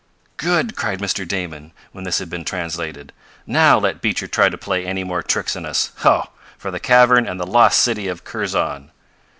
"Good!" cried Mr. Damon, when this had been translated. "Now let Beecher try to play any more tricks on us! Ho! for the cavern and the lost city of Kurzon."